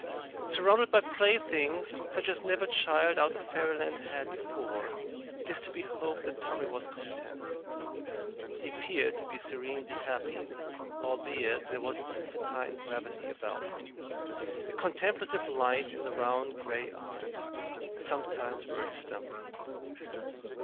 Surrounded by playthings such as never child out of fairyland had before, it is to be hoped that Tommy was content. He appeared to be serenely happy, albeit there was an infantine gravity about him, a contemplative light in his round gray eyes, that sometimes worried Stumpy.